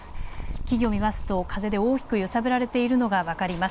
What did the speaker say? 木々を見ますと風で大きく揺さぶられているのが分かります。